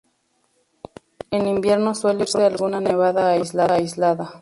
En invierno suele producirse alguna nevada aislada.